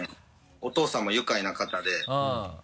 お義父さんも愉快な方で。